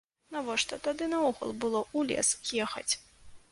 Навошта тады наогул было ў лес ехаць?